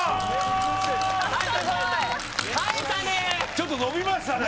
ちょっとのびましたね